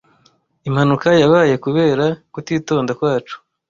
Impanuka yabaye kubera kutitonda kwacu.